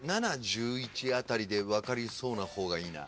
７１１あたりで分かりそうな方がいいな。